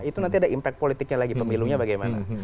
itu nanti ada impact politiknya lagi pemilunya bagaimana